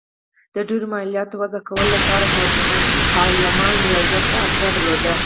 د ډېرو مالیاتو وضعه کولو لپاره پارلمان رضایت ته اړتیا درلوده.